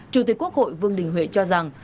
chủ tịch quốc hội vương đình huệ cho rằng